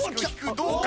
どうか？